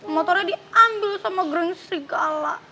motornya diambil sama geng serigala